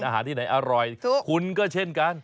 อาหารที่ไหนอร่อยคุณก็เช่นกัน